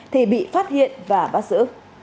thì bị phát hiện và bắt giữ